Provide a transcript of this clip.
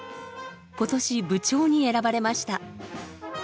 今年部長に選ばれました。